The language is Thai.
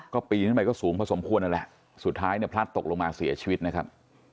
ก็ปีนขึ้นไปก็สูงพอสมควรนั่นแหละสุดท้ายเนี่ยพลัดตกลงมาเสียชีวิตนะครับ